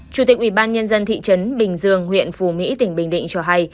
chủ tịch ủy ban nhân dân thị trấn bình dương huyện phù mỹ tỉnh bình định cho hay